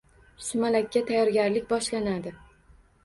Sumalakka tayorgarlik boshlanadi...